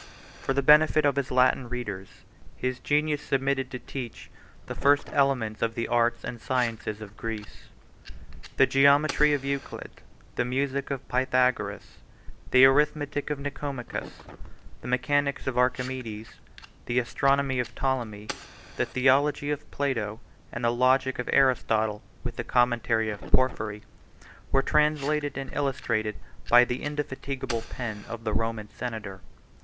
For the benefit of his Latin readers, his genius submitted to teach the first elements of the arts and sciences of Greece. The geometry of Euclid, the music of Pythagoras, the arithmetic of Nicomachus, the mechanics of Archimedes, the astronomy of Ptolemy, the theology of Plato, and the logic of Aristotle, with the commentary of Porphyry, were translated and illustrated by the indefatigable pen of the Roman senator.